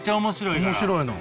面白いの？